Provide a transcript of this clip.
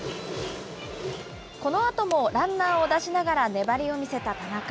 このあともランナーを出しながら粘りを見せた田中。